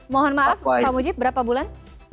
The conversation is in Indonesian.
mohon maaf pak mujib berapa bulan